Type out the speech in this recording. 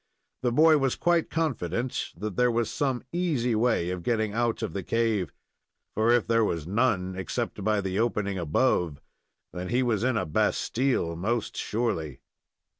The boy was quite confident that there was some easy way of getting out of the cave; for if there was none, except by the opening above, then he was in a Bastile, most surely.